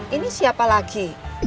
ini siapa lagi